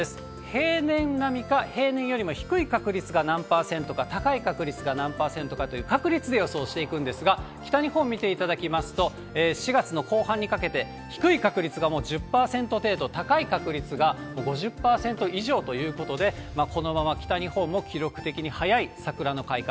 平年並みか、平年よりも低い確率が何％か、高い確率が何パーセントかという、確率で予想していくんですが、北日本見ていただきますと、４月の後半にかけて、低い確率がもう１０％程度、高い確率が、もう５０％以上ということで、このまま北日本も記録的に早い桜の開花。